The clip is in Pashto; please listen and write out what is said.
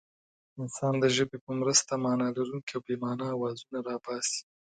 انسان د ژبې په مرسته مانا لرونکي او بې مانا اوازونه را باسي.